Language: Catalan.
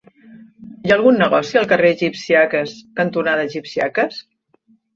Hi ha algun negoci al carrer Egipcíaques cantonada Egipcíaques?